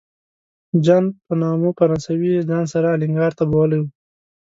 جان په نامه فرانسوی یې ځان سره الینګار ته بیولی و.